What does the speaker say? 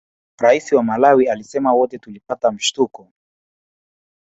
Rais wa Malawi alisema wote tulipata mshituko